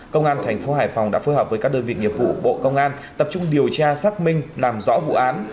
công an thành phố hải phòng đã phối hợp với các đơn vị nghiệp vụ bộ công an tập trung điều tra xác minh làm rõ vụ án